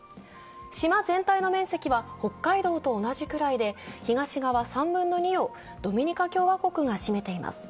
島全体の面積は北海道と同じくらいで、東側３分の２をドミニカ共和国が占めています。